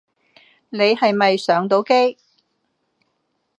你係咪上到機